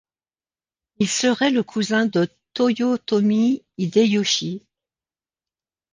Il serait le cousin de Toyotomi Hideyoshi.